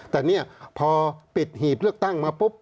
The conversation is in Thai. แต่เนี่ยพอปิดหีบเลือกตั้งมาปุ๊บ